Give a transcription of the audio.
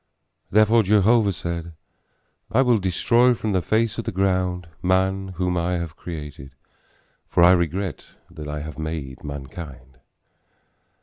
Therefore Jehovah said, I will destroy from the face of the ground man whom I have created, for I regret that I have made mankind.